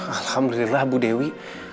alhamdulillah bu dewi